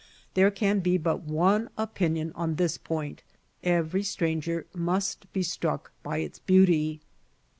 There can be but one opinion on this point; every stranger must be struck by its beauty.